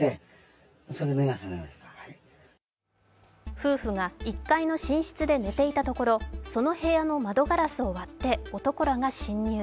夫婦が１階の寝室で寝ていたところ、その部屋の窓ガラスを割って男らが侵入。